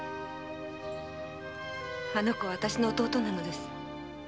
あの子はわたしの弟なのです。